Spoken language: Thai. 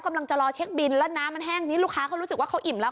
รอเช็คบินแล้วน้ำมันแห้งนี้ลูกค้าเขารู้สึกว่าเขาอิ่มแล้ว